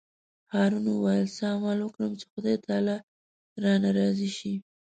هارون وویل: څه عمل وکړم چې خدای تعالی رانه راضي شي.